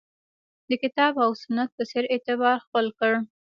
د کتاب او سنت په څېر اعتبار خپل کړ